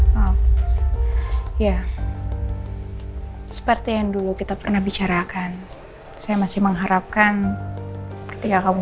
maaf ya seperti yang dulu kita pernah bicarakan saya masih mengharapkan ketika kamu